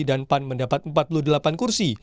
dan pan mendapat empat puluh delapan kursi